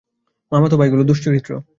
মামাতো ভাইগুলো দুশ্চরিত্র।